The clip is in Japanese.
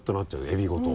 エビごと。